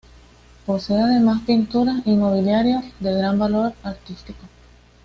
Posee además pinturas y mobiliario de gran valor artístico.